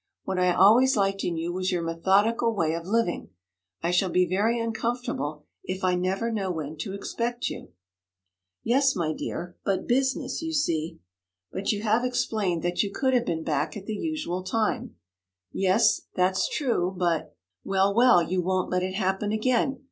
'What I always liked in you was your methodical way of living. I shall be very uncomfortable if I never know when to expect you.' 'Yes, my dear, but business, you see ' 'But you have explained that you could have been back at the usual time.' 'Yes that's true but ' 'Well, well, you won't let it happen again.